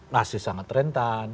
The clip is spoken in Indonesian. masih sangat rentan